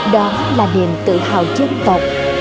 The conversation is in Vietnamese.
đó là niềm tự hào chân tộc